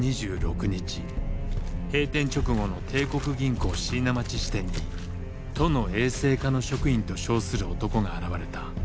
閉店直後の帝国銀行椎名町支店に都の衛生課の職員と称する男が現れた。